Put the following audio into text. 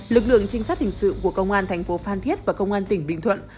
lực lượng trinh sát hình sự của công an tp phan thiết và công an tỉnh bình thuận